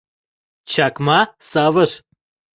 Чакма — савыш.